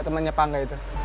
temenanya panger itu